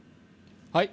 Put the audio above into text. はい。